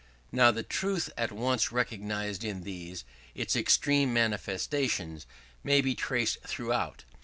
Now, the truth at once recognized in these, its extreme manifestations, may be traced throughout.